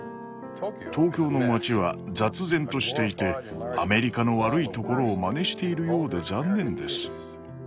東京の街は雑然としていてアメリカの悪いところを真似しているようで残念です。